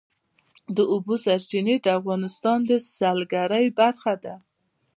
د اوبو سرچینې د افغانستان د سیلګرۍ برخه ده.